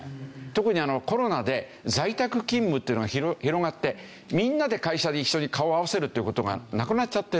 特にコロナで在宅勤務っていうのが広がってみんなで会社で一緒に顔を合わせるっていう事がなくなっちゃってる。